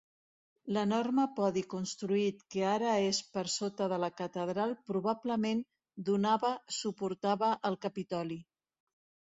L'enorme podi construït que ara és per sota de la catedral probablement donava suportava el Capitoli.